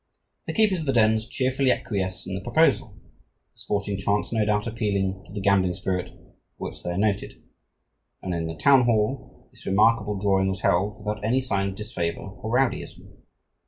The keepers of the dens cheerfully acquiesced in the proposal, the sporting chance no doubt appealing to the gambling spirit for which they are noted, and in the town hall this remarkable drawing was held without any sign of disfavour or rowdyism.